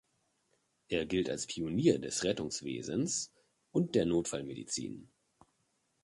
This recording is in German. Er gilt als Pionier des Rettungswesens und der Notfallmedizin.